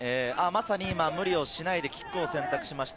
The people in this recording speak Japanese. まさに無理をしないでキックを選択しました。